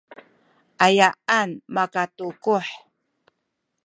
ayaan makatukuh?